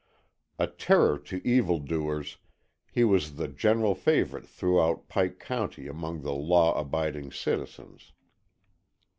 A terror to evil doers, he was the general favorite throughout Pike County among the law abiding citizens.